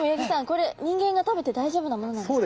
これ人間が食べて大丈夫なものなんですか？